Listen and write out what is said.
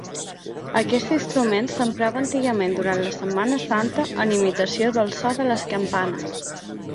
Aquest instrument s'emprava antigament durant la Setmana Santa en imitació del so de les campanes.